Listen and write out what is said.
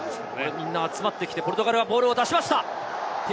みんな集まってきてポルトガルがボールを出しました。